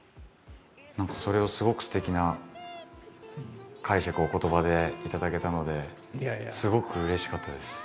何かそれをすごくすてきな解釈をお言葉で頂けたのですごくうれしかったです。